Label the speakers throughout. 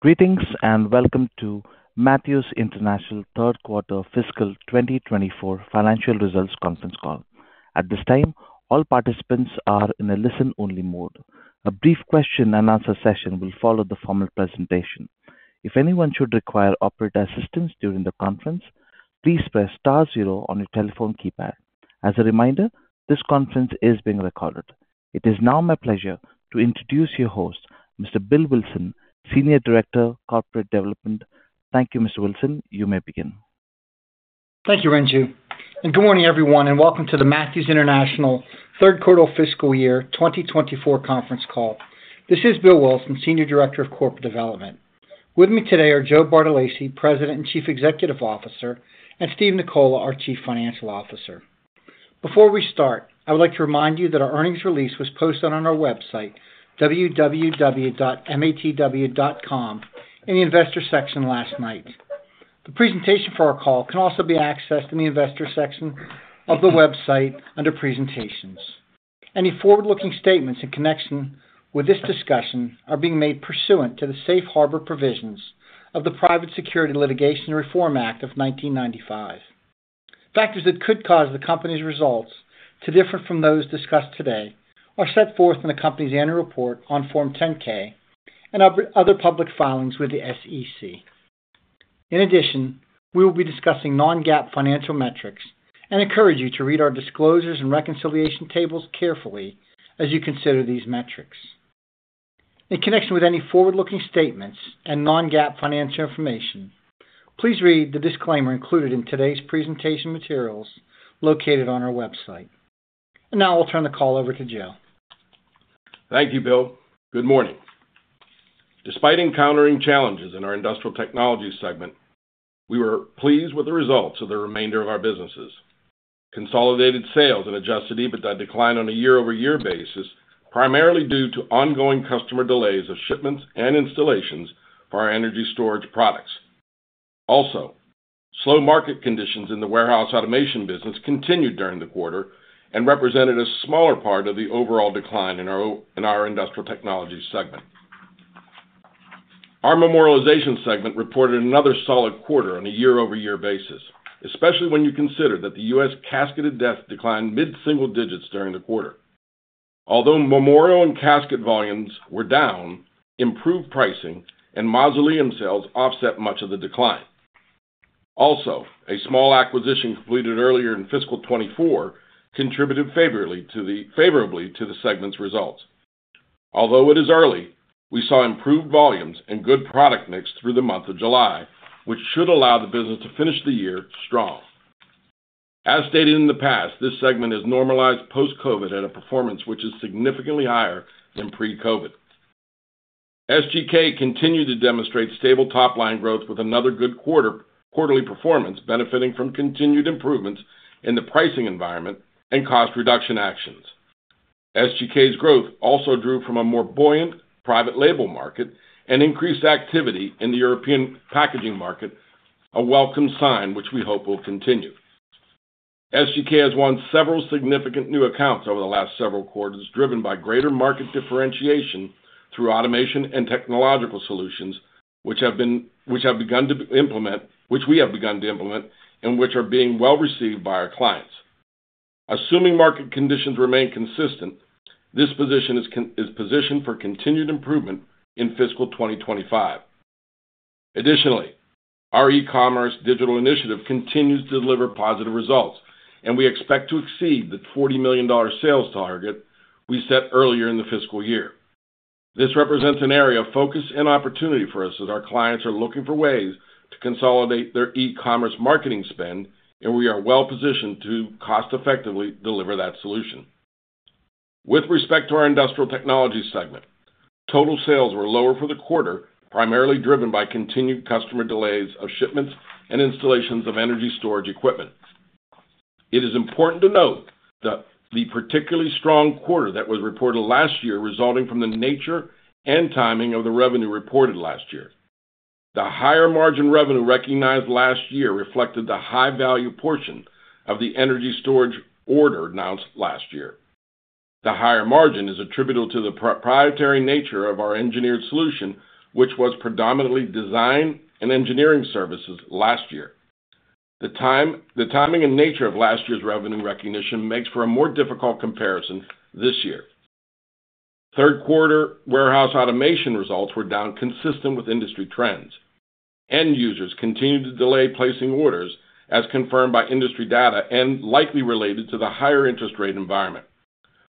Speaker 1: Greetings, and welcome to Matthews International Third Quarter Fiscal 2024 Financial Results Conference Call. At this time, all participants are in a listen-only mode. A brief question-and-answer session will follow the formal presentation. If anyone should require operator assistance during the conference, please press star zero on your telephone keypad. As a reminder, this conference is being recorded. It is now my pleasure to introduce your host, Mr. Bill Wilson, Senior Director, Corporate Development. Thank you, Mr. Wilson. You may begin.
Speaker 2: Thank you, Ronju, and good morning, everyone, and welcome to the Matthews International Third Quarter Fiscal Year 2024 Conference Call. This is Bill Wilson, Senior Director of Corporate Development. With me today are Joe Bartolacci, President and Chief Executive Officer, and Steve Nicola, our Chief Financial Officer. Before we start, I would like to remind you that our earnings release was posted on our website, www.matw.com, in the investor section last night. The presentation for our call can also be accessed in the investor section of the website under presentations. Any forward-looking statements in connection with this discussion are being made pursuant to the Safe Harbor Provisions of the Private Securities Litigation Reform Act of 1995. Factors that could cause the company's results to differ from those discussed today are set forth in the company's annual report on Form 10-K and other public filings with the SEC. In addition, we will be discussing non-GAAP financial metrics and encourage you to read our disclosures and reconciliation tables carefully as you consider these metrics. In connection with any forward-looking statements and non-GAAP financial information, please read the disclaimer included in today's presentation materials located on our website. Now I'll turn the call over to Joe.
Speaker 3: Thank you, Bill. Good morning. Despite encountering challenges in our Industrial Technologies segment, we were pleased with the results of the remainder of our businesses. Consolidated sales and Adjusted EBITDA declined on a year-over-year basis, primarily due to ongoing customer delays of shipments and installations for our energy storage products. Also, slow market conditions in the warehouse automation business continued during the quarter and represented a smaller part of the overall decline in our Industrial Technologies segment. Our Memorialization segment reported another solid quarter on a year-over-year basis, especially when you consider that the U.S. casketed deaths declined mid-single digits during the quarter. Although memorial and casket volumes were down, improved pricing and mausoleum sales offset much of the decline. Also, a small acquisition completed earlier in fiscal 2024 contributed favorably to the segment's results. Although it is early, we saw improved volumes and good product mix through the month of July, which should allow the business to finish the year strong. As stated in the past, this segment has normalized post-COVID at a performance which is significantly higher than pre-COVID. SGK continued to demonstrate stable top-line growth with another good quarter, quarterly performance, benefiting from continued improvements in the pricing environment and cost reduction actions. SGK's growth also drew from a more buoyant private label market and increased activity in the European packaging market, a welcome sign which we hope will continue. SGK has won several significant new accounts over the last several quarters, driven by greater market differentiation through automation and technological solutions, which we have begun to implement and which are being well-received by our clients. Assuming market conditions remain consistent, this position is positioned for continued improvement in fiscal 2025. Additionally, our e-commerce digital initiative continues to deliver positive results, and we expect to exceed the $40 million sales target we set earlier in the fiscal year. This represents an area of focus and opportunity for us as our clients are looking for ways to consolidate their e-commerce marketing spend, and we are well positioned to cost-effectively deliver that solution. With respect to our Industrial Technologies segment, total sales were lower for the quarter, primarily driven by continued customer delays of shipments and installations of energy storage equipment. It is important to note that the particularly strong quarter that was reported last year, resulting from the nature and timing of the revenue reported last year. The higher margin revenue recognized last year reflected the high-value portion of the energy storage order announced last year. The higher margin is attributable to the proprietary nature of our engineered solution, which was predominantly design and engineering services last year. The timing and nature of last year's revenue recognition makes for a more difficult comparison this year. Third quarter warehouse automation results were down, consistent with industry trends. End users continued to delay placing orders, as confirmed by industry data and likely related to the higher interest rate environment.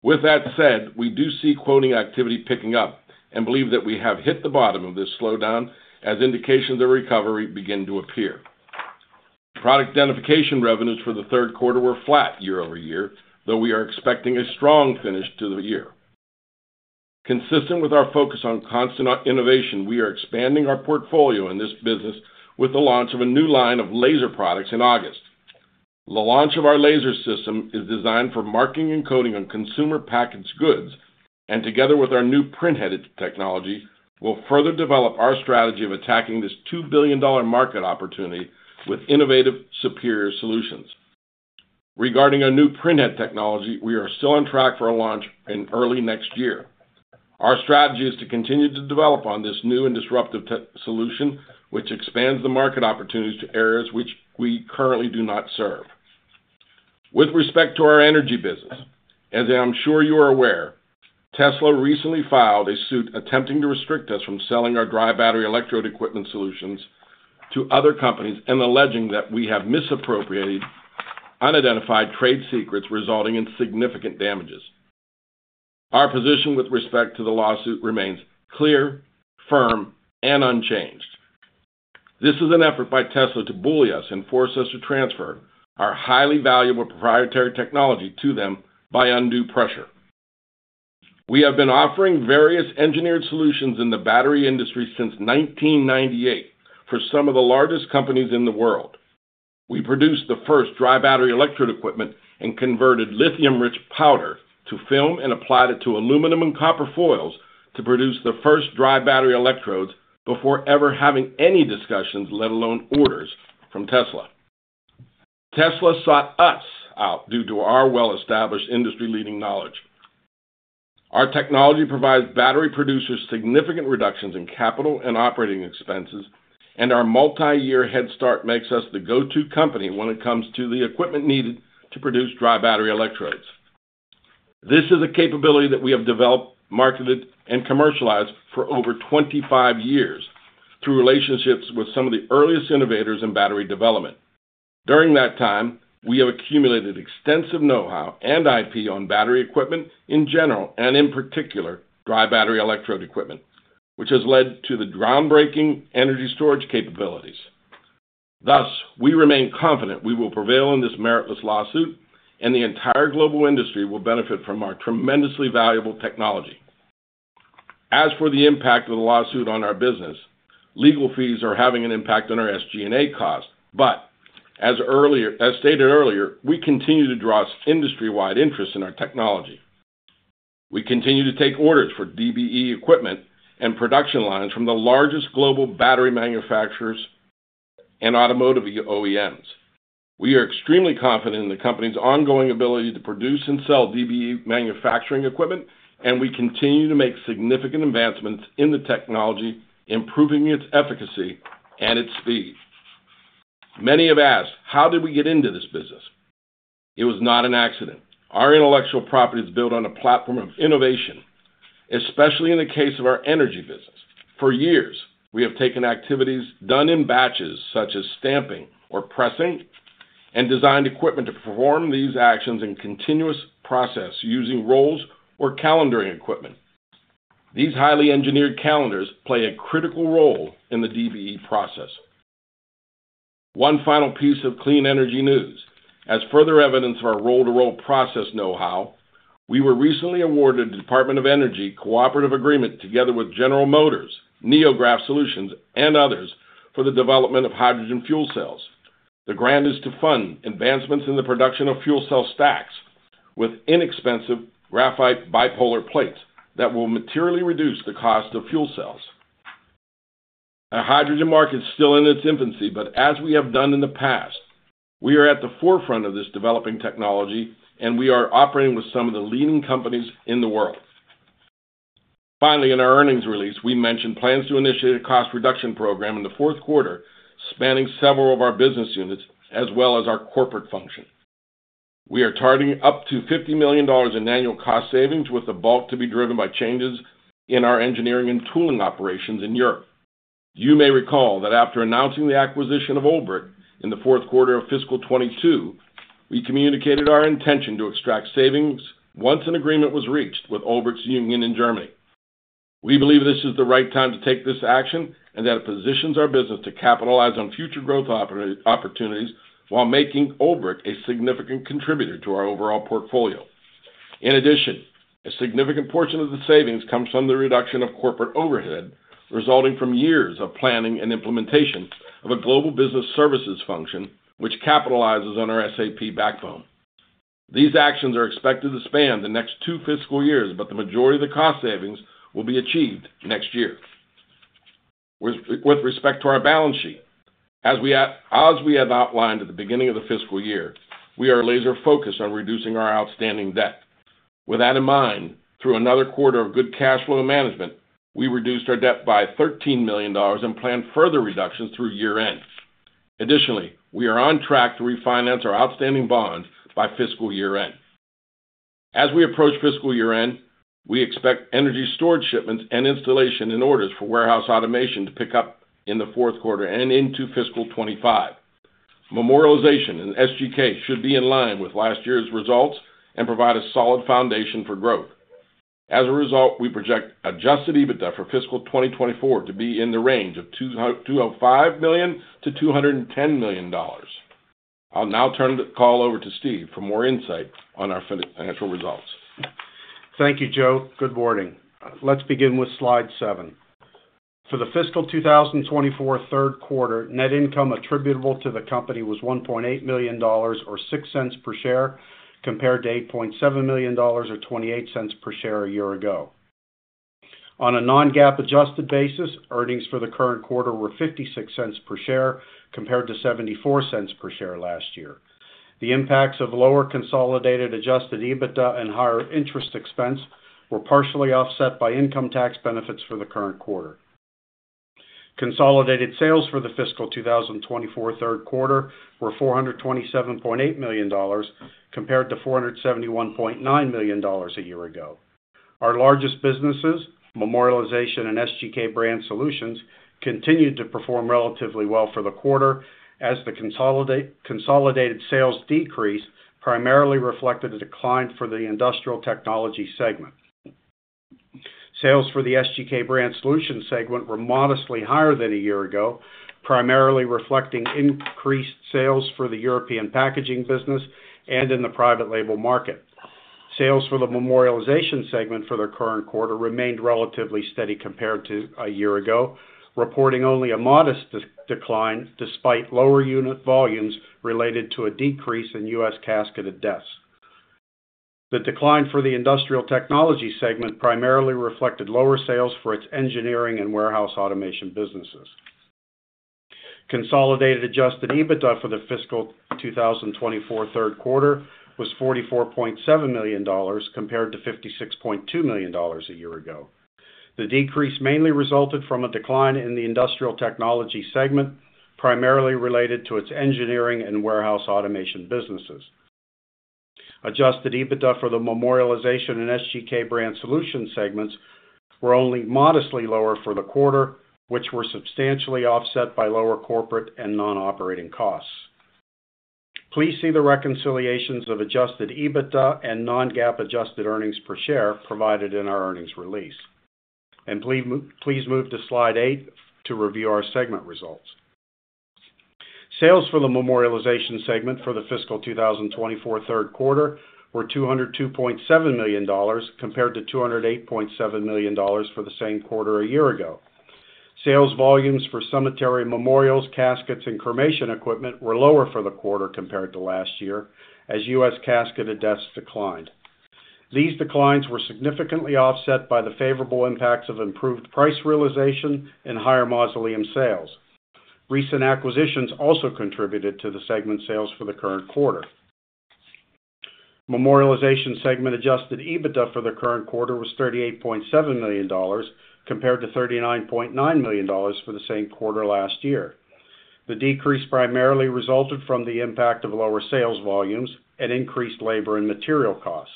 Speaker 3: With that said, we do see quoting activity picking up and believe that we have hit the bottom of this slowdown as indications of recovery begin to appear. Product identification revenues for the third quarter were flat year-over-year, though we are expecting a strong finish to the year. Consistent with our focus on constant innovation, we are expanding our portfolio in this business with the launch of a new line of laser products in August. The launch of our laser system is designed for marking and coding on consumer packaged goods, and together with our new printhead technology, will further develop our strategy of attacking this $2 billion market opportunity with innovative, superior solutions. Regarding our new printhead technology, we are still on track for a launch in early next year. Our strategy is to continue to develop on this new and disruptive tech solution, which expands the market opportunities to areas which we currently do not serve. With respect to our energy business, as I am sure you are aware, Tesla recently filed a suit attempting to restrict us from selling our dry battery electrode equipment solutions to other companies, and alleging that we have misappropriated unidentified trade secrets, resulting in significant damages. Our position with respect to the lawsuit remains clear, firm, and unchanged. This is an effort by Tesla to bully us and force us to transfer our highly valuable proprietary technology to them by undue pressure. We have been offering various engineered solutions in the battery industry since 1998 for some of the largest companies in the world. We produced the first dry battery electrode equipment and converted lithium-rich powder to film and applied it to aluminum and copper foils to produce the first dry battery electrodes before ever having any discussions, let alone orders, from Tesla. Tesla sought us out due to our well-established, industry-leading knowledge. Our technology provides battery producers significant reductions in capital and operating expenses, and our multiyear head start makes us the go-to company when it comes to the equipment needed to produce dry battery electrodes. This is a capability that we have developed, marketed, and commercialized for over 25 years through relationships with some of the earliest innovators in battery development. During that time, we have accumulated extensive know-how and IP on battery equipment in general, and in particular, dry battery electrode equipment, which has led to the groundbreaking energy storage capabilities. Thus, we remain confident we will prevail in this meritless lawsuit, and the entire global industry will benefit from our tremendously valuable technology. As for the impact of the lawsuit on our business, legal fees are having an impact on our SG&A costs, but, as earlier, as stated earlier, we continue to draw industry-wide interest in our technology. We continue to take orders for DBE equipment and production lines from the largest global battery manufacturers and automotive OEMs. We are extremely confident in the company's ongoing ability to produce and sell DBE manufacturing equipment, and we continue to make significant advancements in the technology, improving its efficacy and its speed. Many have asked, how did we get into this business? It was not an accident. Our intellectual property is built on a platform of innovation, especially in the case of our energy business. For years, we have taken activities done in batches, such as stamping or pressing, and designed equipment to perform these actions in continuous process, using rolls or calendering equipment. These highly engineered calendering play a critical role in the DBE process. One final piece of clean energy news: as further evidence of our roll-to-roll process know-how, we were recently awarded a Department of Energy cooperative agreement together with General Motors, NeoGraf Solutions, and others for the development of hydrogen fuel cells. The grant is to fund advancements in the production of fuel cell stacks with inexpensive graphite bipolar plates that will materially reduce the cost of fuel cells. Our hydrogen market is still in its infancy, but as we have done in the past, we are at the forefront of this developing technology, and we are operating with some of the leading companies in the world. Finally, in our earnings release, we mentioned plans to initiate a cost reduction program in the fourth quarter, spanning several of our business units, as well as our corporate function. We are targeting up to $50 million in annual cost savings, with the bulk to be driven by changes in our engineering and tooling operations in Europe. You may recall that after announcing the acquisition of Olbrich in the fourth quarter of fiscal 2022, we communicated our intention to extract savings once an agreement was reached with Olbrich's union in Germany. We believe this is the right time to take this action and that it positions our business to capitalize on future growth opportunities while making Olbrich a significant contributor to our overall portfolio. In addition, a significant portion of the savings comes from the reduction of corporate overhead, resulting from years of planning and implementation of a global business services function, which capitalizes on our SAP backbone. These actions are expected to span the next two fiscal years, but the majority of the cost savings will be achieved next year. With respect to our balance sheet, as we have outlined at the beginning of the fiscal year, we are laser-focused on reducing our outstanding debt. With that in mind, through another quarter of good cash flow management, we reduced our debt by $13 million and plan further reductions through year-end. Additionally, we are on track to refinance our outstanding bonds by fiscal year-end. As we approach fiscal year-end, we expect energy storage shipments and installation and orders for warehouse automation to pick up in the fourth quarter and into fiscal 2025. Memorialization and SGK should be in line with last year's results and provide a solid foundation for growth. As a result, we project Adjusted EBITDA for fiscal 2024 to be in the range of $205 million-$210 million. I'll now turn the call over to Steve for more insight on our financial results.
Speaker 4: Thank you, Joe. Good morning. Let's begin with slide 7. For the fiscal 2024 third quarter, net income attributable to the company was $1.8 million or $0.06 per share, compared to $8.7 million or $0.28 per share a year ago. On a Non-GAAP adjusted basis, earnings for the current quarter were $0.56 per share, compared to $0.74 per share last year. The impacts of lower consolidated adjusted EBITDA and higher interest expense were partially offset by income tax benefits for the current quarter. Consolidated sales for the fiscal 2024 third quarter were $427.8 million, compared to $471.9 million a year ago. Our largest businesses, Memorialization and SGK Brand Solutions, continued to perform relatively well for the quarter as the consolidated sales decrease primarily reflected a decline for the Industrial Technologies segment. Sales for the SGK Brand Solutions segment were modestly higher than a year ago, primarily reflecting increased sales for the European packaging business and in the private label market. Sales for the Memorialization segment for the current quarter remained relatively steady compared to a year ago, reporting only a modest decline, despite lower unit volumes related to a decrease in U.S. casketed deaths. The decline for Industrial Technologies segment primarily reflected lower sales for its engineering and warehouse automation businesses. Consolidated adjusted EBITDA for the fiscal 2024 third quarter was $44.7 million, compared to $56.2 million a year ago. The decrease mainly resulted from a decline in the Industrial Technologies segment, primarily related to its engineering and warehouse automation businesses. Adjusted EBITDA for the Memorialization and SGK Brand Solutions segments were only modestly lower for the quarter, which were substantially offset by lower corporate and non-operating costs. Please see the reconciliations of adjusted EBITDA and non-GAAP adjusted earnings per share provided in our earnings release. Please move to slide 8 to review our segment results. Sales for the Memorialization segment for the fiscal 2024 third quarter were $202.7 million, compared to $208.7 million for the same quarter a year ago. Sales volumes for cemetery memorials, caskets, and cremation equipment were lower for the quarter compared to last year, as U.S. casketed deaths declined. These declines were significantly offset by the favorable impacts of improved price realization and higher mausoleum sales. Recent acquisitions also contributed to the segment's sales for the current quarter. Memorialization segment adjusted EBITDA for the current quarter was $38.7 million, compared to $39.9 million for the same quarter last year. The decrease primarily resulted from the impact of lower sales volumes and increased labor and material costs.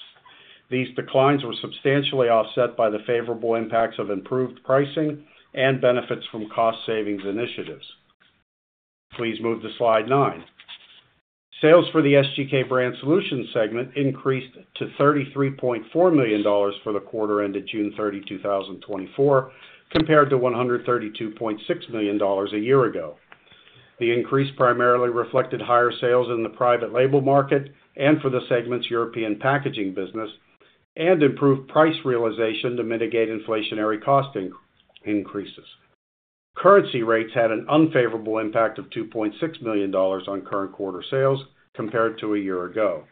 Speaker 4: These declines were substantially offset by the favorable impacts of improved pricing and benefits from cost savings initiatives. Please move to slide 9. Sales for the SGK Brand Solutions segment increased to $33.4 million for the quarter ended June 30, 2024, compared to $132.6 million a year ago. The increase primarily reflected higher sales in the private label market and for the segment's European packaging business, and improved price realization to mitigate inflationary cost increases. Currency rates had an unfavorable impact of $2.6 million on current quarter sales compared to a year ago.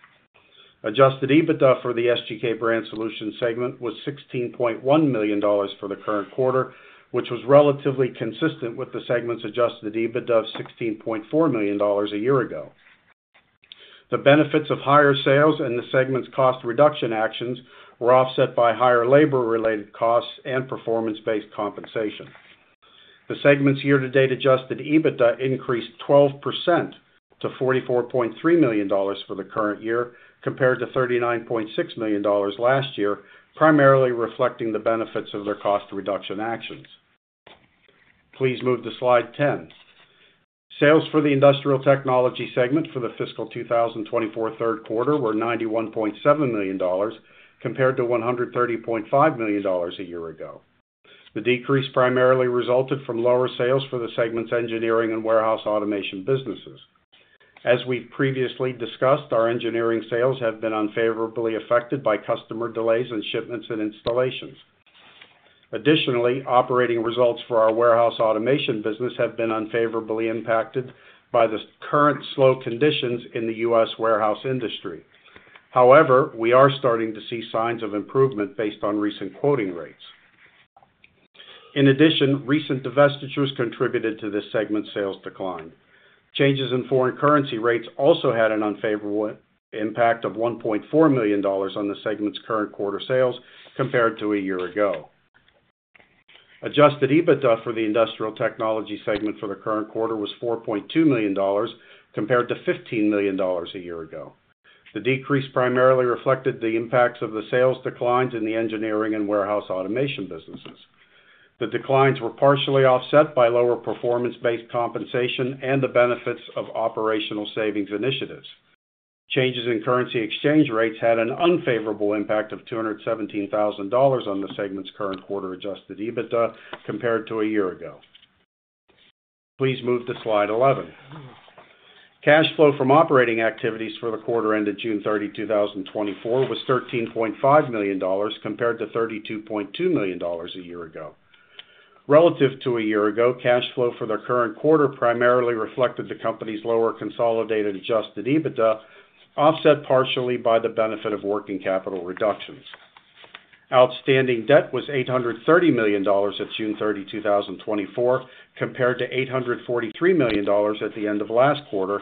Speaker 4: Adjusted EBITDA for the SGK Brand Solutions segment was $16.1 million for the current quarter, which was relatively consistent with the segment's adjusted EBITDA of $16.4 million a year ago. The benefits of higher sales and the segment's cost reduction actions were offset by higher labor-related costs and performance-based compensation. The segment's year-to-date adjusted EBITDA increased 12% to $44.3 million for the current year, compared to $39.6 million last year, primarily reflecting the benefits of their cost reduction actions. Please move to slide 10. Sales for the Industrial Technologies segment for the fiscal 2024 third quarter were $91.7 million, compared to $130.5 million a year ago. The decrease primarily resulted from lower sales for the segment's engineering and warehouse automation businesses. As we've previously discussed, our engineering sales have been unfavorably affected by customer delays in shipments and installations. Additionally, operating results for our warehouse automation business have been unfavorably impacted by the current slow conditions in the U.S. warehouse industry. However, we are starting to see signs of improvement based on recent quoting rates. In addition, recent divestitures contributed to this segment's sales decline. Changes in foreign currency rates also had an unfavorable impact of $1.4 million on the segment's current quarter sales compared to a year ago. Adjusted EBITDA for the Industrial Technologies segment for the current quarter was $4.2 million, compared to $15 million a year ago. The decrease primarily reflected the impacts of the sales declines in the engineering and warehouse automation businesses. The declines were partially offset by lower performance-based compensation and the benefits of operational savings initiatives. Changes in currency exchange rates had an unfavorable impact of $217,000 on the segment's current quarter adjusted EBITDA compared to a year ago. Please move to slide 11. Cash flow from operating activities for the quarter ended June 30, 2024, was $13.5 million, compared to $32.2 million a year ago. Relative to a year ago, cash flow for the current quarter primarily reflected the company's lower consolidated adjusted EBITDA, offset partially by the benefit of working capital reductions. Outstanding debt was $830 million at June 30, 2024, compared to $843 million at the end of last quarter,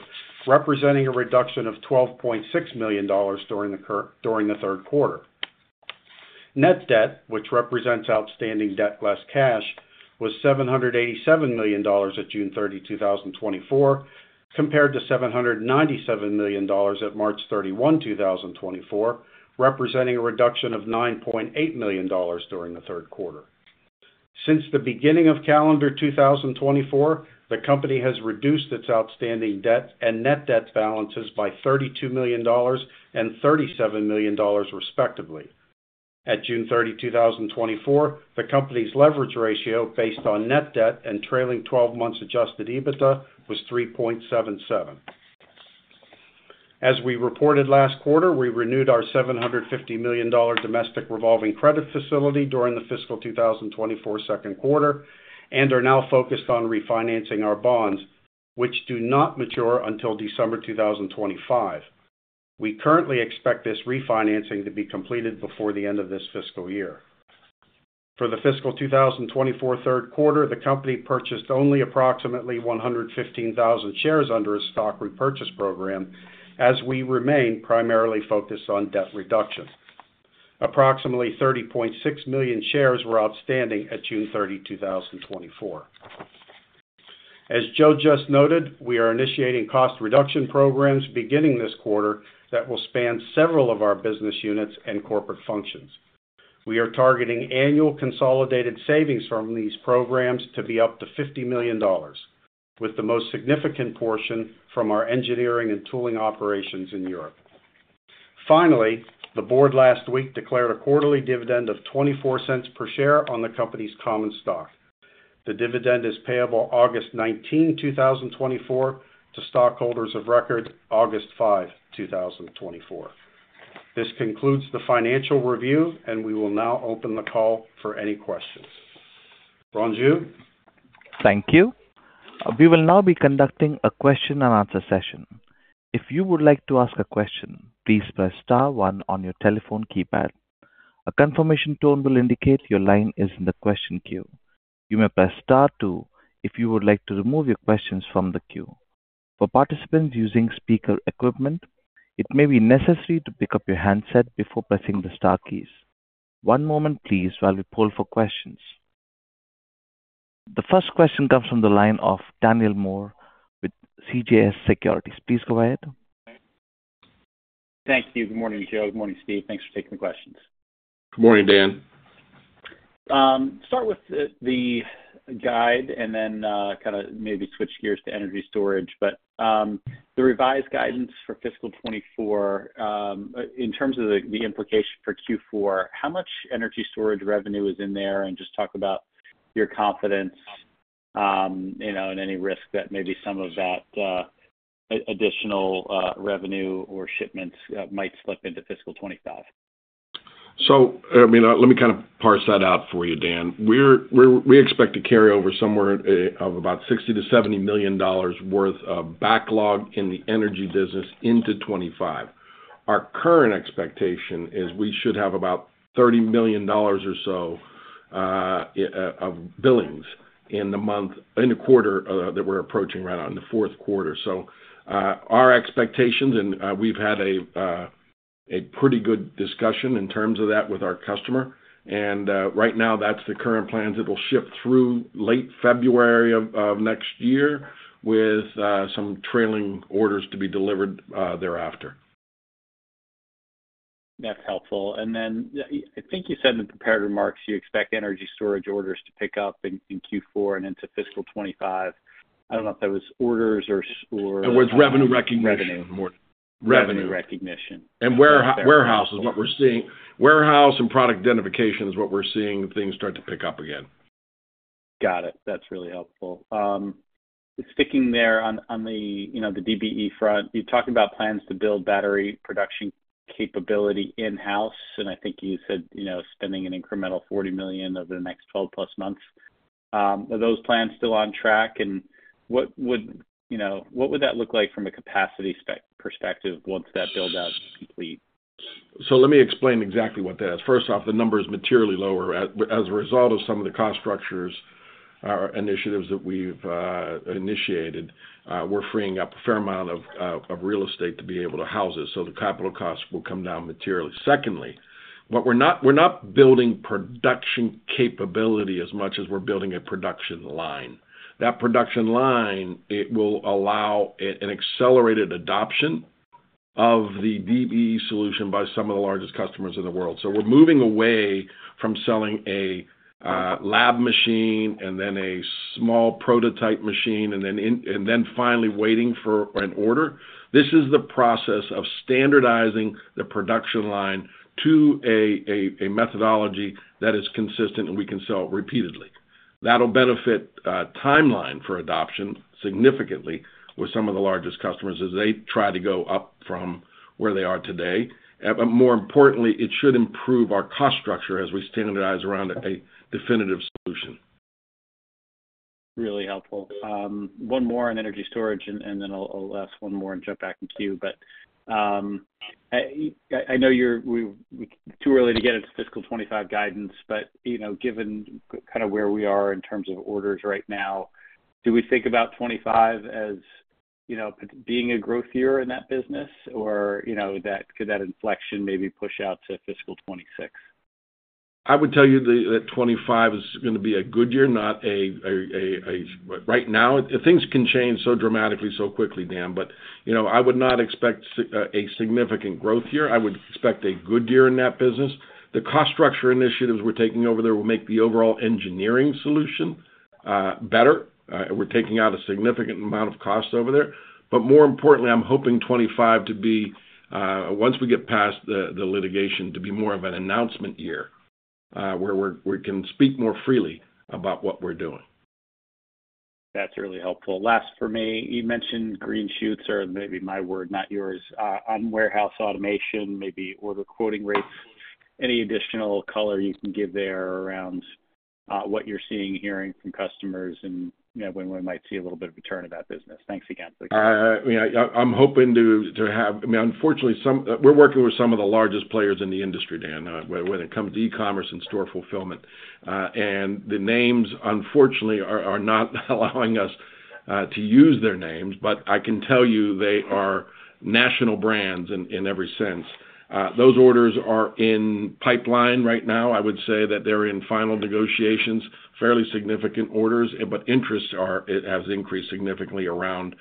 Speaker 4: representing a reduction of $12.6 million during the third quarter. Net debt, which represents outstanding debt less cash, was $787 million at June 30, 2024, compared to $797 million at March 31, 2024, representing a reduction of $9.8 million during the third quarter. Since the beginning of calendar 2024, the company has reduced its outstanding debt and net debt balances by $32 million and $37 million, respectively. At June 30, 2024, the company's leverage ratio, based on net debt and trailing twelve months Adjusted EBITDA, was 3.77%. As we reported last quarter, we renewed our $750 million domestic revolving credit facility during the fiscal 2024 second quarter and are now focused on refinancing our bonds, which do not mature until December 2025. We currently expect this refinancing to be completed before the end of this fiscal year. For the fiscal 2024 third quarter, the company purchased only approximately 115,000 shares under a stock repurchase program, as we remain primarily focused on debt reduction. Approximately 30.6 million shares were outstanding at June 30, 2024. As Joe just noted, we are initiating cost reduction programs beginning this quarter that will span several of our business units and corporate functions. We are targeting annual consolidated savings from these programs to be up to $50 million, with the most significant portion from our engineering and tooling operations in Europe. Finally, the board last week declared a quarterly dividend of $0.24 per share on the company's common stock. The dividend is payable August 19, 2024, to stockholders of record August 5, 2024. This concludes the financial review, and we will now open the call for any questions. Ronju?
Speaker 1: Thank you. We will now be conducting a question-and-answer session. If you would like to ask a question, please press star one on your telephone keypad. A confirmation tone will indicate your line is in the question queue. You may press star two if you would like to remove your questions from the queue. For participants using speaker equipment, it may be necessary to pick up your handset before pressing the star keys. One moment please while we pool for questions. The first question comes from the line of Daniel Moore with CJS Securities. Please go ahead.
Speaker 5: Thank you. Good morning, Joe. Good morning, Steve. Thanks for taking the questions.
Speaker 3: Good morning, Dan.
Speaker 5: Start with the guide and then kind of maybe switch gears to energy storage. But the revised guidance for fiscal 2024 in terms of the implication for Q4, how much energy storage revenue is in there? And just talk about your confidence, you know, and any risk that maybe some of that additional revenue or shipments might slip into fiscal 2025.
Speaker 3: So, I mean, let me kind of parse that out for you, Dan. We expect to carry over somewhere of about $60 million-$70 million worth of backlog in the energy business into 2025. Our current expectation is we should have about $30 million or so of billings in the quarter that we're approaching right now, in the fourth quarter. So, our expectations, and we've had a pretty good discussion in terms of that with our customer, and right now, that's the current plan. It'll ship through late February of next year, with some trailing orders to be delivered thereafter.
Speaker 5: That's helpful. Then, I think you said in the prepared remarks, you expect energy storage orders to pick up in Q4 and into fiscal 2025. I don't know if that was orders or-
Speaker 3: It was revenue recognition.
Speaker 5: Revenue recognition.
Speaker 3: Warehouse. Warehouse is what we're seeing. Warehouse and product identification is what we're seeing things start to pick up again.
Speaker 5: Got it. That's really helpful. Sticking there on the DBE front, you talked about plans to build battery production capability in-house, and I think you said, you know, spending an incremental $40 million over the next 12+ months. Are those plans still on track? And what would, you know, what would that look like from a capacity perspective once that build-out is complete?
Speaker 3: So let me explain exactly what that is. First off, the number is materially lower. As a result of some of the cost structures, or initiatives that we've initiated, we're freeing up a fair amount of real estate to be able to house this, so the capital costs will come down materially. Secondly, what we're not. We're not building production capability as much as we're building a production line. That production line, it will allow an accelerated adoption of the DBE solution by some of the largest customers in the world. So we're moving away from selling a lab machine and then a small prototype machine and then and then finally waiting for an order. This is the process of standardizing the production line to a methodology that is consistent, and we can sell it repeatedly. That'll benefit timeline for adoption significantly with some of the largest customers as they try to go up from where they are today. But more importantly, it should improve our cost structure as we standardize around a definitive solution.
Speaker 5: Really helpful. One more on energy storage, and then I'll ask one more and jump back in queue. But I know we're too early to get into fiscal 2025 guidance, but you know, given kind of where we are in terms of orders right now, do we think about 2025 as, you know, being a growth year in that business? Or, you know, that could that inflection maybe push out to fiscal 2026?
Speaker 3: I would tell you that 2025 is gonna be a good year, not a right now, things can change so dramatically, so quickly, Dan, but you know, I would not expect a significant growth year. I would expect a good year in that business. The cost structure initiatives we're taking over there will make the overall engineering solution better. We're taking out a significant amount of cost over there. But more importantly, I'm hoping 2025 to be, once we get past the litigation, to be more of an announcement year, where we can speak more freely about what we're doing.
Speaker 5: That's really helpful. Last for me. You mentioned green shoots, or maybe my word, not yours, on warehouse automation, maybe order quoting rates. Any additional color you can give there around, what you're seeing, hearing from customers and, you know, when we might see a little bit of a turn in that business? Thanks again.
Speaker 3: Yeah, I'm hoping to have, I mean, unfortunately, some, we're working with some of the largest players in the industry, Dan, when it comes to e-commerce and store fulfillment. And the names, unfortunately, are not allowing us to use their names, but I can tell you they are national brands in every sense. Those orders are in pipeline right now. I would say that they're in final negotiations, fairly significant orders, but it has increased significantly around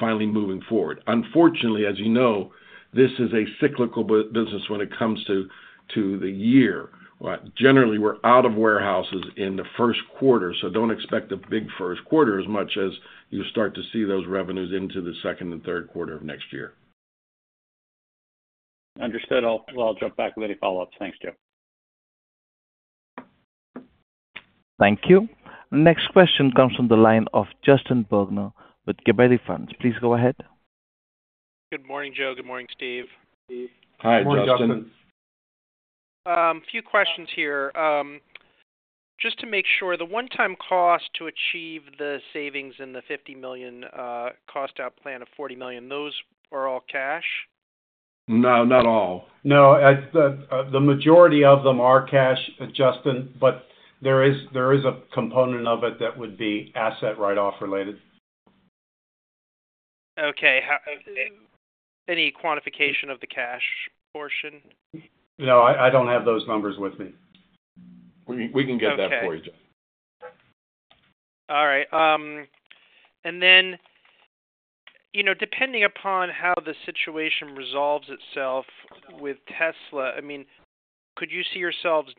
Speaker 3: finally moving forward. Unfortunately, as you know, this is a cyclical business when it comes to the year. Generally, we're out of warehouses in the first quarter, so don't expect a big first quarter as much as you start to see those revenues into the second and third quarter of next year.
Speaker 5: Understood. I'll, well, I'll jump back with any follow-ups. Thanks, Joe.
Speaker 1: Thank you. Next question comes from the line of Justin Bergner with Gabelli Funds. Please go ahead.
Speaker 6: Good morning, Joe. Good morning, Steve.
Speaker 4: Hi, Justin.
Speaker 3: Good morning, Justin.
Speaker 6: Few questions here. Just to make sure, the one-time cost to achieve the savings in the $50 million cost out plan of $40 million, those are all cash?
Speaker 3: No, not all.
Speaker 4: No, the majority of them are cash, Justin, but there is a component of it that would be asset write-off related.
Speaker 6: Okay. Any quantification of the cash portion?
Speaker 4: No, I don't have those numbers with me.
Speaker 3: We can get that for you, Justin.
Speaker 6: All right. Then, you know, depending upon how the situation resolves itself with Tesla, I mean, could you see yourselves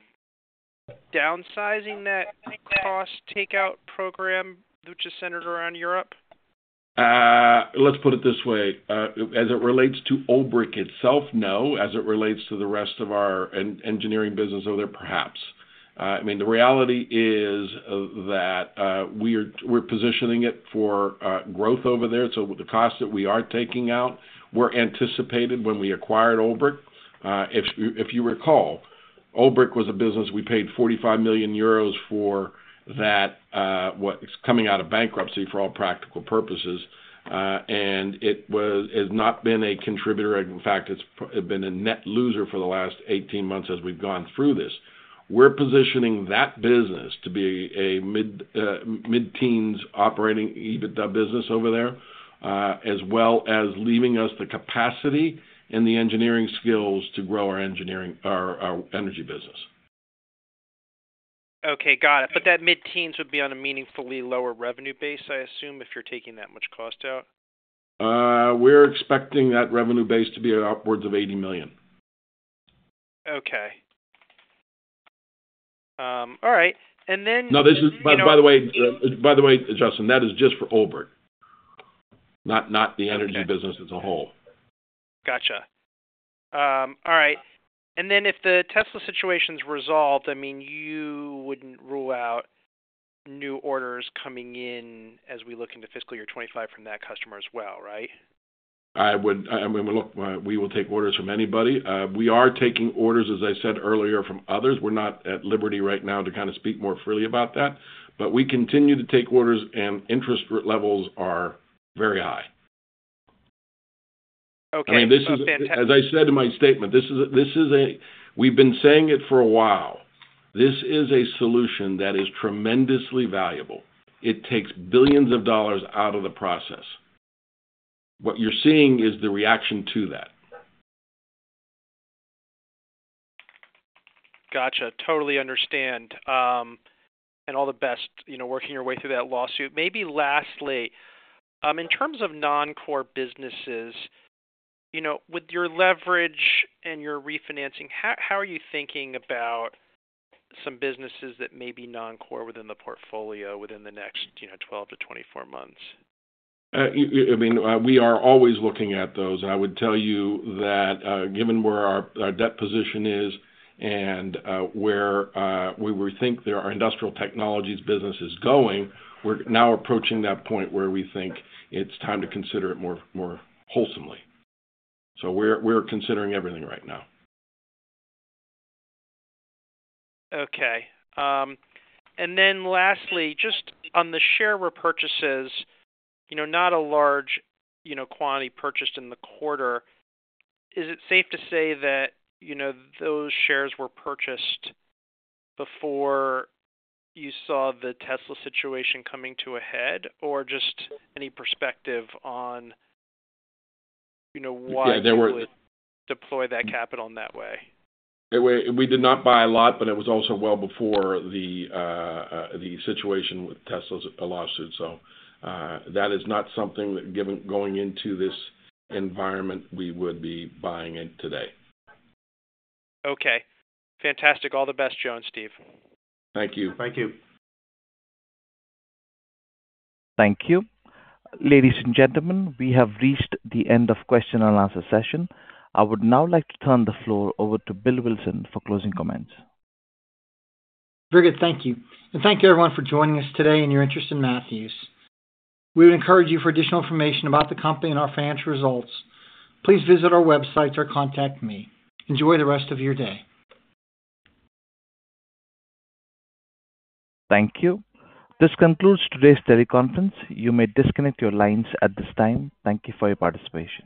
Speaker 6: downsizing that cost takeout program, which is centered around Europe?
Speaker 3: Let's put it this way, as it relates to Olbrich itself, no. As it relates to the rest of our engineering business over there, perhaps. I mean, the reality is, that, we are-- we're positioning it for, growth over there. So the costs that we are taking out were anticipated when we acquired Olbrich. If you, if you recall, Olbrich was a business we paid 45 million euros for that, what is coming out of bankruptcy, for all practical purposes, and it has not been a contributor. In fact, it's been a net loser for the last 18 months as we've gone through this. We're positioning that business to be a mid, mid-teens operating EBITDA business over there, as well as leaving us the capacity and the engineering skills to grow our engineering our energy business.
Speaker 6: Okay, got it. But that mid-teens would be on a meaningfully lower revenue base, I assume, if you're taking that much cost out?
Speaker 3: We're expecting that revenue base to be upwards of $80 million.
Speaker 6: Okay. All right. And then-
Speaker 3: No. By the way, Justin, that is just for Olbrich, not the energy business as a whole.
Speaker 6: Gotcha. All right. And then if the Tesla situation's resolved, I mean, you wouldn't rule out new orders coming in as we look into fiscal year 2025 from that customer as well, right?
Speaker 3: I would, I mean, look, we will take orders from anybody. We are taking orders, as I said earlier, from others. We're not at liberty right now to kind of speak more freely about that, but we continue to take orders, and interest levels are very high.
Speaker 6: Okay.
Speaker 3: I mean, this is, as I said in my statement, this is a, we've been saying it for a while. This is a solution that is tremendously valuable. It takes billions of dollars out of the process. What you're seeing is the reaction to that.
Speaker 6: Gotcha. Totally understand, and all the best, you know, working your way through that lawsuit. Maybe lastly, in terms of non-core businesses, you know, with your leverage and your refinancing, how are you thinking about some businesses that may be non-core within the portfolio within the next, you know, 12-24 months?
Speaker 3: I mean, we are always looking at those. And I would tell you that, given where our debt position is and where we think there are Industrial Technologies businesses going, we're now approaching that point where we think it's time to consider it more wholesomely. So we're considering everything right now.
Speaker 6: Okay. And then lastly, just on the share repurchases, you know, not a large, you know, quantity purchased in the quarter. Is it safe to say that, you know, those shares were purchased before you saw the Tesla situation coming to a head? Or just any perspective on, you know, why-
Speaker 3: Yeah, there were-
Speaker 6: you would deploy that capital in that way?
Speaker 3: We did not buy a lot, but it was also well before the situation with Tesla's lawsuit. So, that is not something that, given going into this environment, we would be buying it today.
Speaker 6: Okay. Fantastic. All the best, Joe and Steve.
Speaker 3: Thank you.
Speaker 5: Thank you.
Speaker 1: Thank you. Ladies and gentlemen, we have reached the end of question and answer session. I would now like to turn the floor over to Bill Wilson for closing comments.
Speaker 2: Very good. Thank you. Thank you, everyone, for joining us today and your interest in Matthews. We would encourage you for additional information about the company and our financial results. Please visit our website or contact me. Enjoy the rest of your day.
Speaker 1: Thank you. This concludes today's teleconference. You may disconnect your lines at this time. Thank you for your participation.